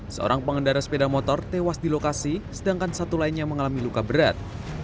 seorang pengendara sepeda motor tewas di lokasi sedangkan satu lainnya mengalami luka berat